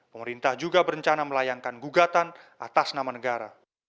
pemerintah juga berencana melayangkan gugatan atas nama negara